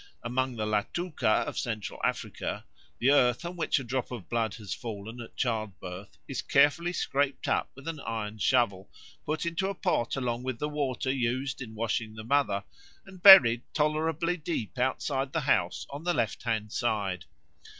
Among the Latuka of Central Africa the earth on which a drop of blood has fallen at childbirth is carefully scraped up with an iron shovel, put into a pot along with the water used in washing the mother, and buried tolerably deep outside the house on the left hand side.